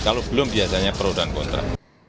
kalau belum biasanya pro dan kontra